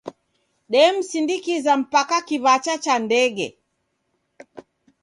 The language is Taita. Damsindikiza mpaka kiw'acha cha ndege.